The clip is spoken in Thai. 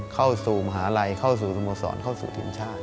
เข้าสู่มหาลัยเข้าสู่สโมสรเข้าสู่ทีมชาติ